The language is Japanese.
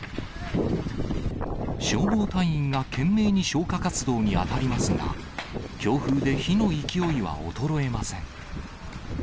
消防隊員が懸命に消火活動に当たりますが、強風で火の勢いは衰えません。